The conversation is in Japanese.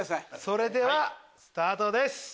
それではスタートです。